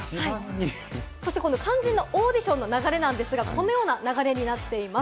そして肝心のオーディションの流れなんですが、このような流れになっています。